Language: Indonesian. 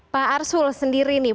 pak arsul sendiri nih